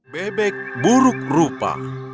bebek buruk rupa